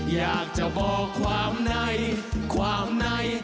อยากจะบอกความในความใน